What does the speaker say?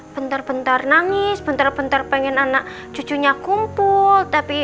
bentar bentar nangis bentar bentar pengen anak cucunya kumpul